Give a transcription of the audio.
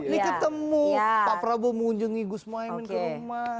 ini ketemu pak prabowo mengunjungi gus mohaimin ke rumah